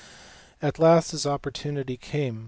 At last his opportunity came.